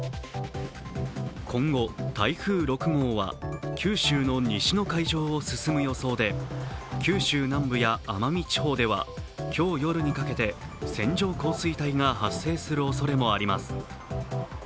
今後、台風６号は九州の西の海上を進む予想で九州南部や奄美地方では今日夜にかけて線状降水帯が発生するおそれもあります。